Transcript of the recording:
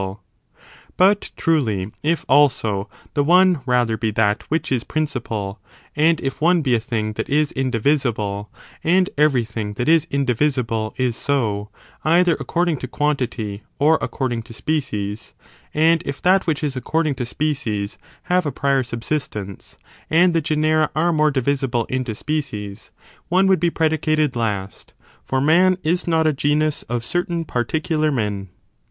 Reasons to But truly, if, also, the one rather be that which foTOt^species ^ principal, and if one be a thing that is indivi may be princi sible, and everything that is indivisible is so, ^^®"* either according to quantity or according to species, and if that which is according to species have a prior sub sistence, and the genera are more divisible into species, one would be predicated last, for man is not a genus of certain particular men.